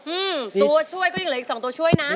อืมตัวช่วยก็ยังเหลืออีกสองตัวช่วยนะ